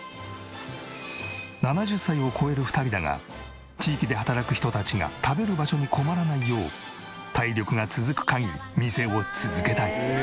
７０歳を超える２人だが地域で働く人たちが食べる場所に困らないよう体力が続く限り店を続けたい。